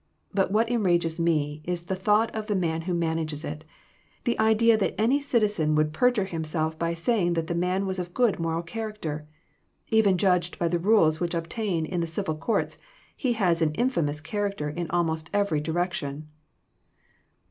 But what enrages me, is the thought of the man who manages it. The idea that any citizen would perjure himself by saying that the man was of good moral character! Even judged by the rules which obtain in the civil courts, he has an infa mous character in almost every direction."